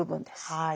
はい。